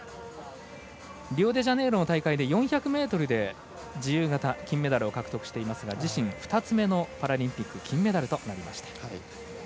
リオデジャネイロの大会で４００ｍ自由形金メダルを獲得していますが自身２つ目のパラリンピック金メダルとなりました。